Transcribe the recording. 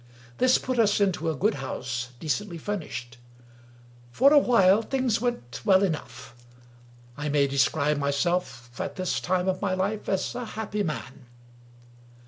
This put us into a good house, decently furnished. For a while things went well enough. I may describe myself at this time of my life as a happy man.